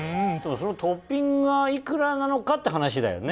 そのトッピングが幾らなのかって話だよね。